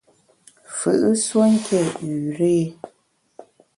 Mfù’ nsuonké üre !